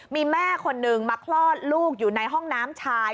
มีแม่คนนึงมาคลอดลูกอยู่ในห้องน้ำชาย